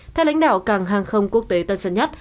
theo lãnh đạo càng hàng không quốc tế tân dân nhất